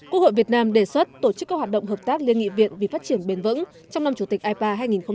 quốc hội việt nam đề xuất tổ chức các hoạt động hợp tác liên nghị viện vì phát triển bền vững trong năm chủ tịch ipa hai nghìn hai mươi